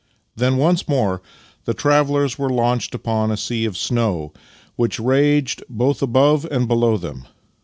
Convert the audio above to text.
Then once more the travellers were launched upon a 32 Master and Man sea of snow, which raged both above and below them.